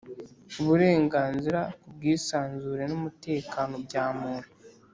Uburenganzira ku bwisanzure n umutekano bya muntu